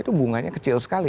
itu bunganya kecil sekali